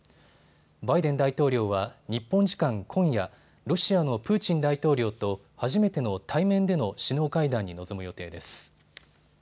バイデン大統領は日本時間今夜、ロシアのプーチン大統領と初めての対面での首脳会談に臨む予定です。